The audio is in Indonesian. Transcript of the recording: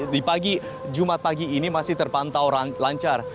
di pagi jumat pagi ini masih terpantau lancar